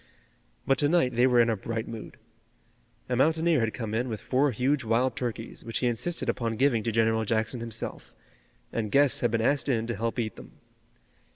But to night they were in a bright mood. A mountaineer had come in with four huge wild turkeys, which he insisted upon giving to General Jackson himself, and guests had been asked in to help eat them.